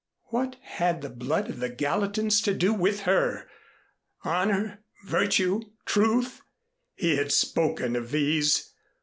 What had the blood of the Gallatins to do with her? Honor, virtue, truth? He had spoken of these.